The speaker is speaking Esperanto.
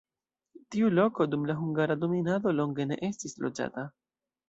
Tiu loko dum la hungara dominado longe ne estis loĝata.